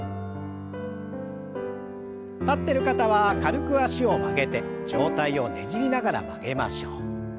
立ってる方は軽く脚を曲げて上体をねじりながら曲げましょう。